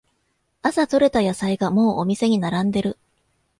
朝とれた野菜がもうお店に並んでる